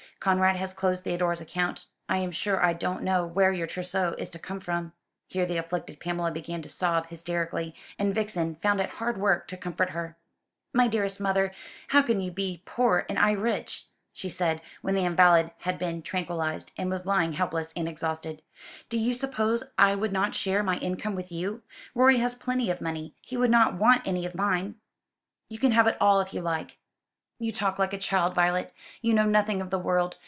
Conrad has closed Theodore's account. I am sure I don't know where your trousseau is to come from." Here the afflicted Pamela began to sob hysterically, and Vixen found it hard work to comfort her. "My dearest mother, how can you be poor and I rich?" she said, when the invalid had been tranquillised, and was lying helpless and exhausted. "Do you suppose I would not share my income with you? Rorie has plenty of money. He would not want any of mine. You can have it all, if you like." "You talk like a child, Violet. You know nothing of the world.